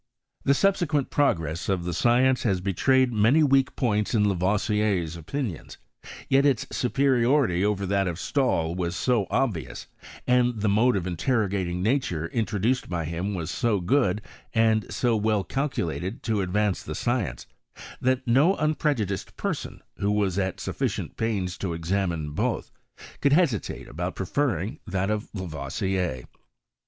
The subeo* qnent progress of the science has betrayed maaj weak points in Lavoisier's opinions ; yet its supe riority over that of Stahl was so obvious, and the mode of interrogating nature introduced by him was BO good, and so well calculated to advance the sci ence, that no unprejudiced person, who was at suffi cient pains to examine both, could hesitate about preferring that of Lavoisier.